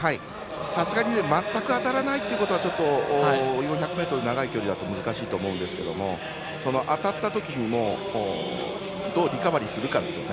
さすがに全く当たらないということは４００ｍ、長い距離だと難しいんですが当たったときにもどうリカバリーするかですね。